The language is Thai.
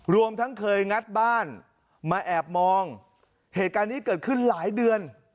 รวมทั้งเคยงัดบ้านมาแอบมองเหตุการณ์นี้เกิดขึ้นหลายเดือน